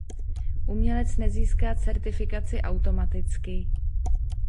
Umělec nezíská certifikaci automaticky.